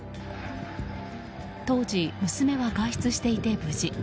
当時、娘は外出していて無事。